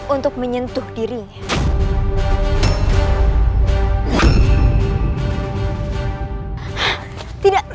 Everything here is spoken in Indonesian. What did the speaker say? untuk menyentuh dirinya